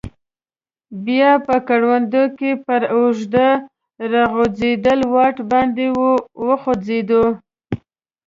بیا په کروندو کې پر اوږده راغځیدلي واټ باندې ور وخوځیدو.